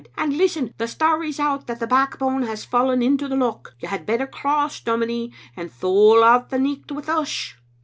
"And listen: the story's out that the Backbone has fallen into the loch. You had better cross, dominie, and thole out the nicht wi' us."